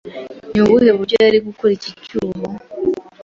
ni ubuhe buryo yari gukora iki cyuho